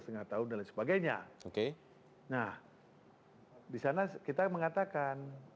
nah di sana kita mengatakan